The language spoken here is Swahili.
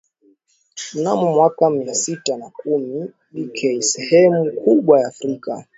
Mnamo mwaka Mia sita na kumi B K sehemu kubwa ya Afrika